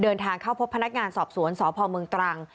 เดินทางเข้าพบพนักงานสอบสวนสพเมืองตรัง